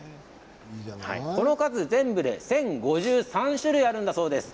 その数全部で１０５３種類あるんだそうです。